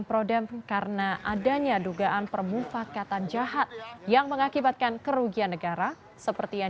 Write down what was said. prodem karena adanya dugaan permufakatan jahat yang mengakibatkan kerugian negara seperti yang